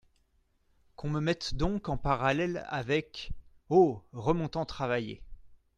Qu’on me mette donc en parallèle avec… oh ! remontant travailler.